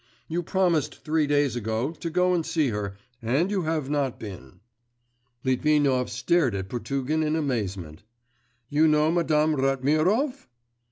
You promised three days ago to go and see her and you have not been.' Litvinov stared at Potugin in amazement. 'You know Madame Ratmirov?